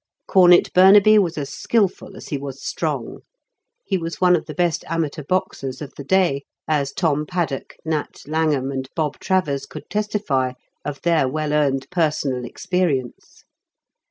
Cornet Burnaby was as skilful as he was strong. He was one of the best amateur boxers of the day, as Tom Paddock, Nat Langham, and Bob Travers could testify of their well earned personal experience.